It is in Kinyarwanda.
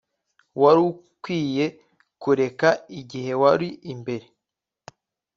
Wari ukwiye kureka igihe wari imbere